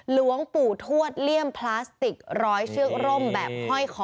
หลวงปู่ทวดเลี่ยมพลาสติกร้อยเชือกร่มแบบห้อยคอ